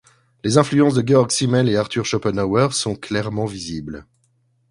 Les influences de Georg Simmel et Arthur Schopenhauer sont clairement visibles.